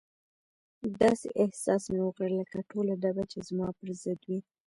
داسې احساس مې وکړ لکه ټوله ډبه چې زما پر ضد وي.